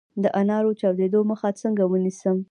د انارو د چاودیدو مخه څنګه ونیسم؟